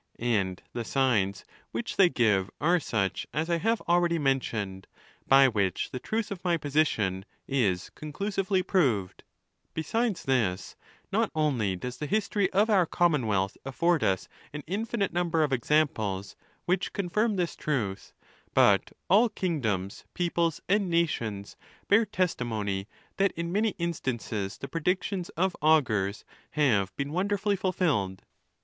And 'the signs which they give are such as I have already mentioned, by which the truth of my position is conclusively proved. | Besides this, not only does the history of our Common wealth afford us an infinite number of 'examples which con firm this truth, but all kingdoms, peoples, and nations, bear testimony that in many instances the predictions 'of augurs have been: wonderfully fulfilled.